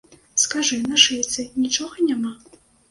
Скажы, на шыйцы нічога няма?